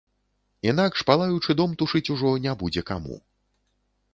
Інакш палаючы дом тушыць ужо не будзе каму.